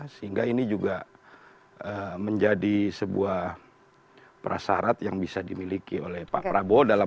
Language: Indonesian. sehingga ini juga menjadi sebuah prasarat yang bisa dimiliki oleh pak prabowo dalam